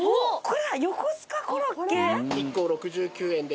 これだ横須賀コロッケ